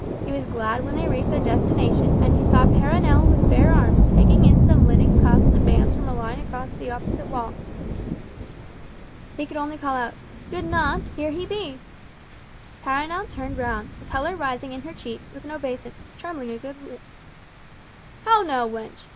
He was glad when they reached their destination, and he saw Perronel with bare arms, taking in some linen cuffs and bands from a line across to the opposite wall. He could only call out, "Good naunt, here he be!" Perronel turned round, the colour rising in her cheeks, with an obeisance, but trembling a good deal. "How now, wench?